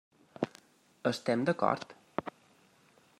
Estem d'acord?